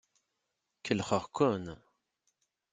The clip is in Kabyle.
Kellxeɣ-ken.